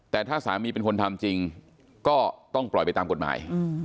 แต่ถ้าสามีเป็นคนทำจริงก็ต้องปล่อยไปตามกฎหมาย